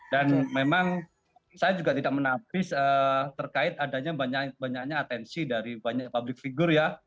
dan memang saya juga tidak menafis terkait adanya banyaknya atensi dari banyak publik figur ya